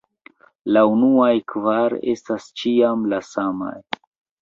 La unuaj kvar estas ĉiam la samaj.